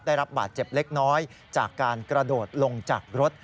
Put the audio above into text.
ได้รับบาดเจ็บเล็กน้อยจากการกระโดดลงจากรถ